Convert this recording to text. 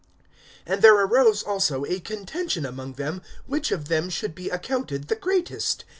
(24)And there arose also a contention among them, which of them should be accounted the greatest.